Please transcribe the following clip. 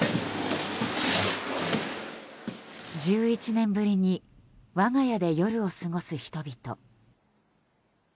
１１年ぶりに我が家で夜を過ごす人々。